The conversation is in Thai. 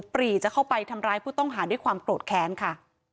ปรีจะเข้าไปทำร้ายผู้ต้องหาด้วยความโกรธแค้นค่ะ